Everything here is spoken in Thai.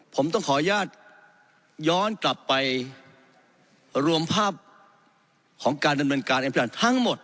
ผมต้องขออนุญาตย้อนกลับไปรวมภาพของการดำเนินการอภิปันทั้งหมด